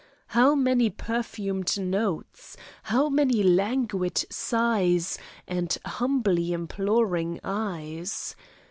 How many perfumed notes! How many languid sighs and humbly imploring eyes!